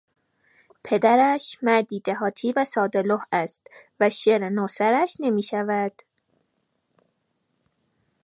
پدرش مردی دهاتی و سادهلوح است و شعر نو سرش نمیشود.